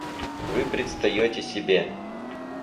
Вы предстаете себе!